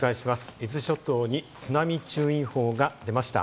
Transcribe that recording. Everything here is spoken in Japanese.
伊豆諸島に津波注意報が出ました。